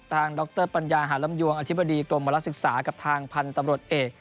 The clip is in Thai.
ทางดรปัญญาหารมยวงอธิบดีกรมบรรลักษณ์ศึกษากับทางพันธบรสเอก